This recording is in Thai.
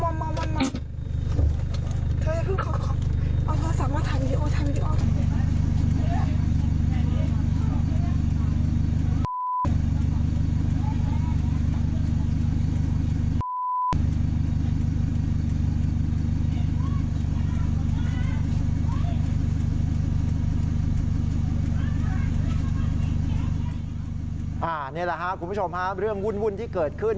นี่แหละครับคุณผู้ชมฮะเรื่องวุ่นที่เกิดขึ้น